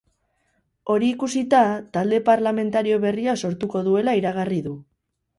Hori ikusita, talde parlamentario berria sortuko duela iragarri du.